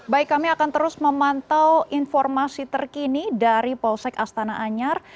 baik kami akan terus memantau informasi terkini dari polsek astana anyar